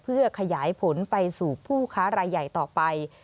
เพื่อขยายผลไปสู่ผู้ค้ารายใหญ่ต่อไป